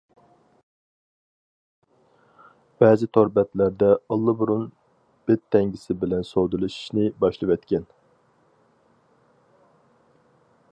بەزى تور بەتلەردە ئاللىبۇرۇن بىت تەڭگىسى بىلەن سودىلىشىشنى باشلىۋەتكەن.